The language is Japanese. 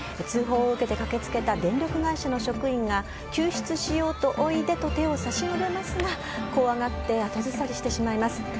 通報を受けて駆けつけた電力会社の職員が救出しようと、おいでと手を差し伸べますが、怖がって後ずさりしてしまいます。